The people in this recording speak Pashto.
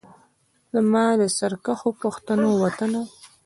زما د سرکښو پښتنو وطنه